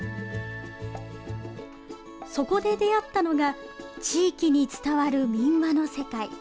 そこで出会ったのが地域に伝わる民話の世界。